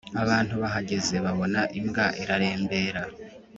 abantu bahageze babona imbwa irarembera.